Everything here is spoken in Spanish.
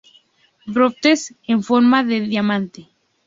Brotes en forma de diamante.